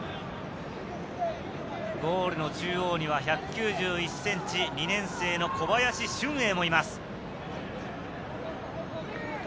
ゴールの中央には１９１ｃｍ、２年生の小林俊瑛もいます。